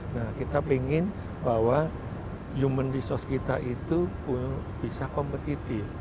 nah kita ingin bahwa human resource kita itu bisa kompetitif